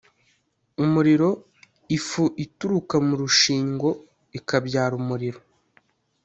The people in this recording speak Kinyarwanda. umuriro ifu ituruka mu rushingo ikabyara umuriro